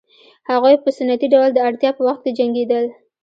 هغوی په سنتي ډول د اړتیا په وخت کې جنګېدل